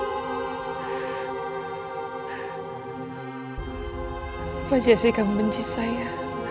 bapak jessica membenci saya